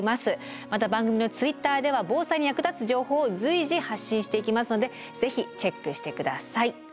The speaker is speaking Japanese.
また番組のＴｗｉｔｔｅｒでは防災に役立つ情報を随時発信していきますのでぜひチェックして下さい。